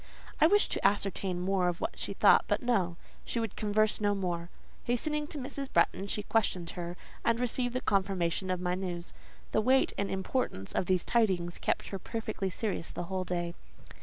I wished to ascertain more of what she thought but no: she would converse no more. Hastening to Mrs. Bretton, she questioned her, and received the confirmation of my news. The weight and importance of these tidings kept her perfectly serious the whole day.